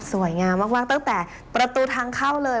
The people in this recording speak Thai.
งามมากตั้งแต่ประตูทางเข้าเลย